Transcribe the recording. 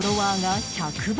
１００倍！？